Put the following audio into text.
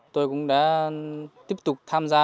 tôi cũng đã tiếp tục tham gia